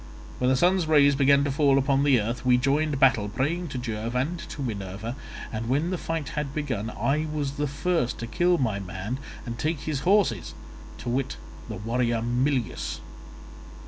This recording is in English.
When the sun's rays began to fall upon the earth we joined battle, praying to Jove and to Minerva, and when the fight had begun, I was the first to kill my man and take his horses—to wit the warrior Mulius.